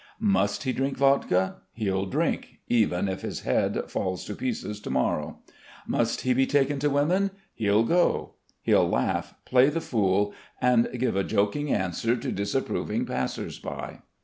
Must he drink vodka? He'll drink, even if his head falls to pieces to morrow. Must he be taken to women? He'll go. He'll laugh, play the fool, and give a joking answer to disapproving passers by.